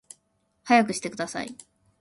速くしてください